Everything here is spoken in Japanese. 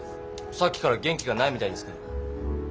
さっきから元気がないみたいですけど。